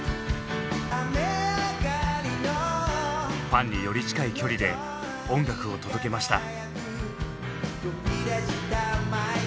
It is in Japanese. ファンにより近い距離で音楽を届けました。